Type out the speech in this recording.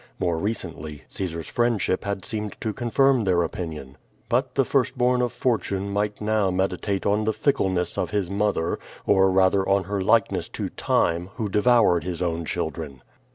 More recently, Caesar's friendship had seemed to con firm their opinion. But the first bom of Fortune might now meditate on the fickleness of his mother, or rather on her likeness to Time, who devoured hia own children.